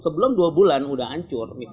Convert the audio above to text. sebelum dua bulan udah hancur